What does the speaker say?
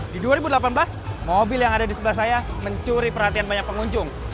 di dua ribu delapan belas mobil yang ada di sebelah saya mencuri perhatian banyak pengunjung